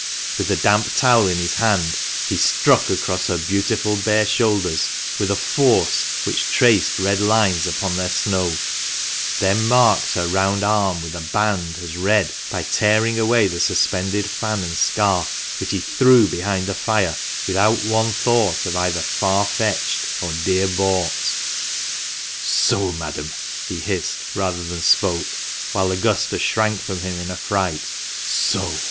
With the damp towel in his hand he struck across her beautiful bare shoulders with a force which traced red lines upon their snow ; then marked her round arm with a band as red by tearing away the suspended fan and scarf, which he threw behind the fire without one thought of either " far fetched " or " dear bought." "Soh, madam!" he hissed, rather than spoke, whilst Augusta shrank from him in affright, " soh